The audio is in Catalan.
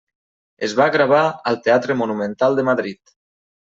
Es va gravar al Teatre Monumental de Madrid.